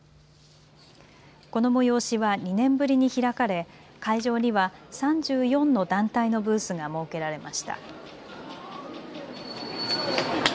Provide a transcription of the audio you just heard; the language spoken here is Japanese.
この催しは２年ぶりに開かれ会場には３４の団体のブースが設けられました。